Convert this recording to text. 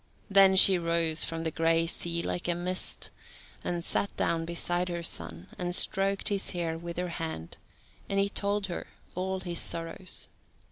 Then she arose from the grey sea, like a mist, and sat down beside her son, and stroked his hair with her hand, and he told her all his sorrows.